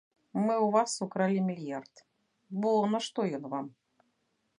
Мы ў вас укралі мільярд, бо нашто ён вам?